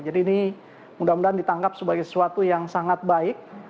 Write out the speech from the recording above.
jadi ini mudah mudahan ditangkap sebagai sesuatu yang sangat baik